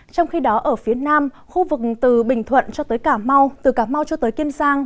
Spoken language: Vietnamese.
trong khi đó ở phía nam khu vực từ bình thuận cho tới cả mau từ cà mau cho tới kiên giang